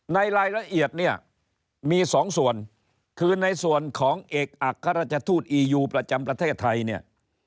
ในรายละเอียดมี๒ส่วนคือในส่วนของเอกอักษรรจทูตอียูประจำประเทศไทย